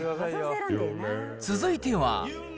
続いては。